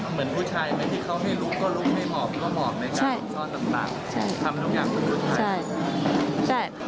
เหมือนผู้ชายเหมือนที่เขาให้ลุกก็ลุกไม่เหมาะไม่เหมาะในการนอนต่างทำตรงอย่างเหมือนผู้ชาย